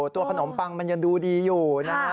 ตัวขนมปังมันยังดูดีอยู่นะฮะ